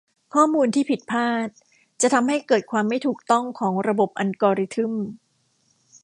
ข้อมูลที่ผิดพลาดจะทำให้เกิดความไม่ถูกต้องของระบบอัลกอริทึม